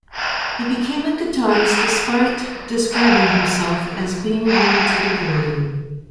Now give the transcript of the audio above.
He became a guitarist despite describing himself as being of "limited ability".